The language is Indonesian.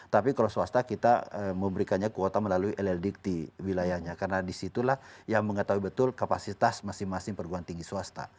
tapi kalau swasta kita memberikannya kuota melalui lldt wilayahnya karena disitulah yang mengetahui betul kapasitas masing masing perguruan tinggi swasta